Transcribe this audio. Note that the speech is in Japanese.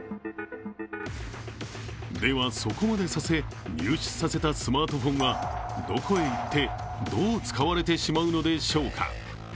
では、そこまでさせ入手させたスマートフォンはどこへ行って、どう使われてしまうのでしょうか。